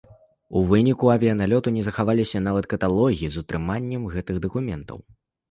У выніку авіяналёту не захаваліся нават каталогі з утрыманнем гэтых дакументаў.